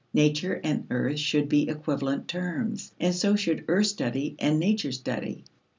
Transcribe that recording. Nature and the earth should be equivalent terms, and so should earth study and nature study.